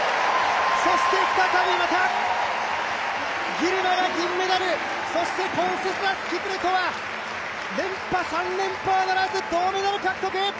再びまたギルマが銀メダル、そしてコンセスラス・キプルトは、３連覇はならず、銅メダル獲得。